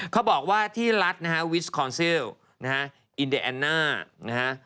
เขาบอกว่าที่รัฐนะฮะวิสคอนเซียลอินเดแอนน่า